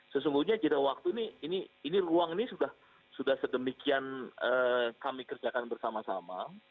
sesungguhnya jeda waktu ini ruang ini sudah sedemikian kami kerjakan bersama sama